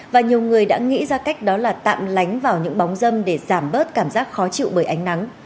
và nhiều người đã nghĩ ra cách đó là tạm lánh vào những bóng dâm để giảm bớt cảm giác khó chịu bởi ánh nắng